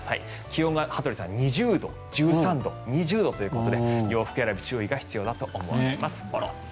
気温が羽鳥さん、２０度１３度、２０度ということで洋服選び注意が必要だと思います。